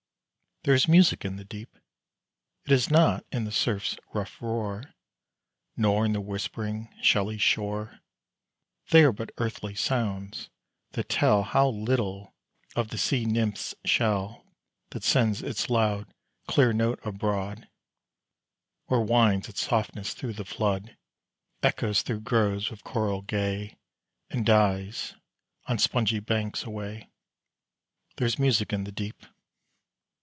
There's music in the deep It is not in the surf's rough roar, Nor in the whispering, shelly shore They are but earthly sounds, that tell How little of the sea nymph's shell, That sends its loud, clear note abroad, Or winds its softness through the flood, Echoes through groves with coral gay, And dies, on spongy banks, away. There's music in the deep.